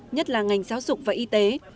nhất là ngành giáo dục và y tế